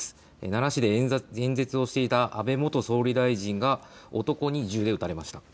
奈良市で演説をしていた安倍元総理大臣が男に銃で撃たれました。